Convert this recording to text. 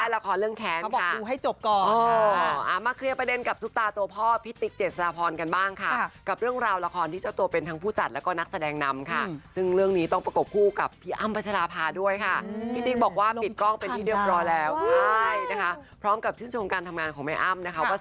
เราคิดมาแต่อาจจะไม่ตรงใจ